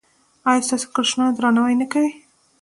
ایا ستاسو کشران درناوی نه کوي؟